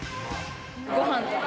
ごはんとか。